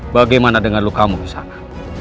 bagaimana dengan lukamu disana